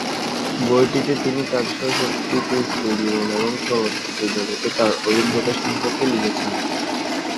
বইটিতে তিনি তাঁর শৈশব স্মৃতি, স্কুল জীবন এবং চলচ্চিত্র জগতে তাঁর অভিজ্ঞতা সম্পর্কে লিখেছেন।